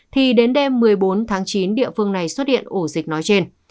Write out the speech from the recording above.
thì đến đêm một mươi bốn tháng chín địa phương này xuất hiện ổ dịch nói trên